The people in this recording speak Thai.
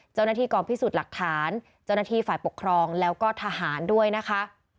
เจ้าหน้าที่กองพิสูจน์หลักฐานเจ้าหน้าที่ฝ่ายปกครองแล้วก็ทหารด้วยนะคะ